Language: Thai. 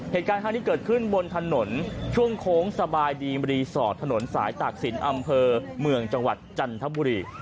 เหตุการณ์ข้างนี้เกิดขึ้นบนถนนช่วงโค้งสบายดีรีสอร์ทถนนสายตากศิลป์อำเภอเมืองจังหวัดจันทบุรี